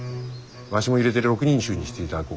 わしも入れて６人衆にしていただこうか。